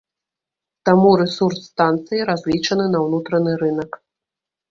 Таму рэсурс станцыі разлічаны на ўнутраны рынак.